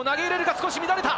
少し乱れた！